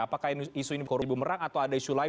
apakah isu ini korup bumerang atau ada isu lain